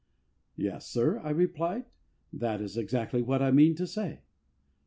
" Yes, sir," I replied, "that is exactly what I mean to say."